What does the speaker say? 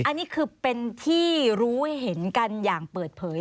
อันนี้คือเป็นที่รู้เห็นกันอย่างเปิดเผย